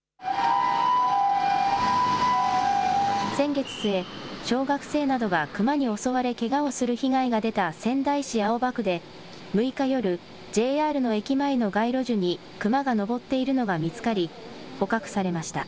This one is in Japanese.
先月末、小学生などがクマに襲われけがをする被害が出た仙台市青葉区で６日夜、ＪＲの駅前の街路樹にクマが登っているのが見つかり、捕獲されました。